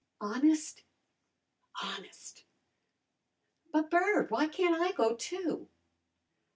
"Honest?" "Honest!" "But, Bert, w'y can't I go, too?"